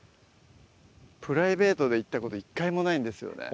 プライベートで行ったこと１回もないんですよね